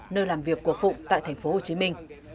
nơi làm việc của phụng tại thành phố hồ chí minh